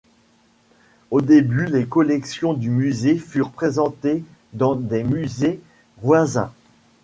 Au début les collections du musée furent présentées dans des musées voisins.